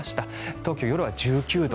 東京は夜、１９度。